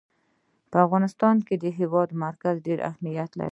په افغانستان کې د هېواد مرکز ډېر اهمیت لري.